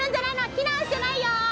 避難してないよ？